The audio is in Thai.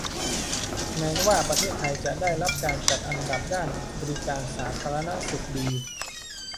แม้ว่าประเทศไทยจะได้รับการจัดอันดับด้านบริการสาธารณสุขดี